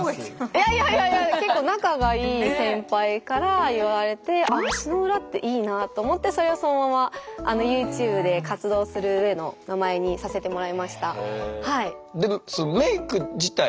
いやいやいやいや結構仲がいい先輩から言われてと思ってそれをそのままユーチューブで活動するうえの名前にさせてもらいました。